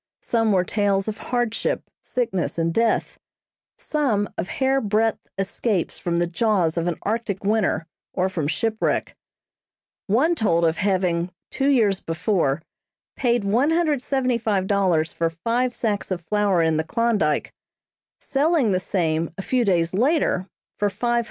Some were tales of hardship, sickness and death; some of hair breadth escapes from the jaws of an Arctic winter, or from shipwreck. One told of having, two years before, paid $175 for five sacks of flour in the Klondyke; selling the same, a few days later, for $500.